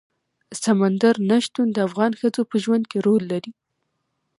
سمندر نه شتون د افغان ښځو په ژوند کې رول لري.